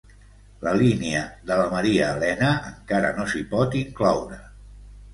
La línia de la Maria Elena encara no s'hi pot incloure